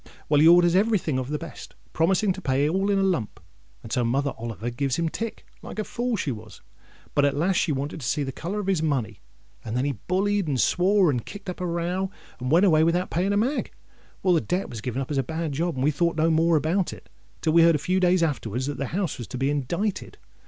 Well, he orders every thing of the best, promising to pay all in a lump; and so Mother Oliver gives him tick, like a fool as she was. But at last she wanted to see the colour of his money; and then he bullied, and swore, and kicked up a row, and went away without paying a mag. Well, the debt was given up as a bad job, and we thought no more about it, till we heard a few days afterwards that the house was to be indicted.